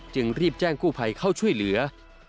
จึงรีบแจ้งกู้ภัยเข้าช่วยเหลือ